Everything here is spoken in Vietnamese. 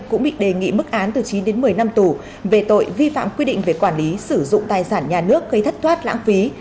cũng bị đề nghị mức án từ chín đến một mươi năm tù về tội vi phạm quy định về quản lý sử dụng tài sản nhà nước gây thất thoát lãng phí